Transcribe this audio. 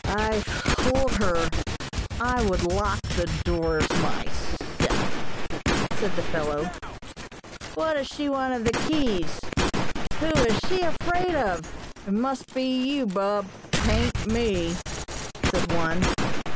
"I told her I would lock the doors myself," said the fellow. "What does she want of keys? Who is she afraid of? It must be you, Bub; 'tain't me," said one.